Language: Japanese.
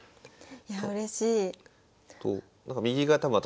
いやうれしい。